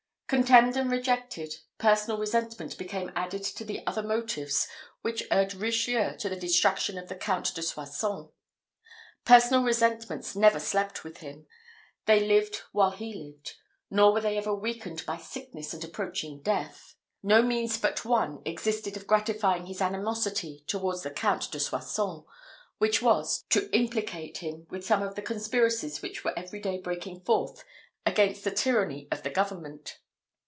Contemned and rejected, personal resentment became added to the other motives which urged Richelieu to the destruction of the Count de Soissons. Personal resentments never slept with him; they lived while he lived, nor were they even weakened by sickness and approaching death. No means but one existed of gratifying his animosity towards the Count de Soissons; which was, to implicate him with some of the conspiracies which were every day breaking forth against the tyranny of the government.